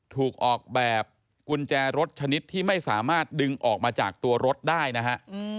ถูกออกแบบกุญแจรถชนิดที่ไม่สามารถดึงออกมาจากตัวรถได้นะฮะ